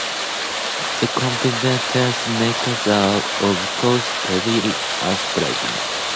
The Comintern's remarks are, of course, very unsurprising.